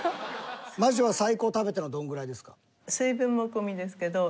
魔女は最高食べたのどんぐらいですか？